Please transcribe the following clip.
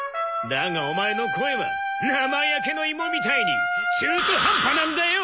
だがオマエの声は生焼けの芋みたいに中途半端なんだよ！